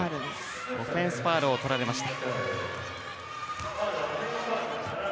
オフェンスファウルを取られました。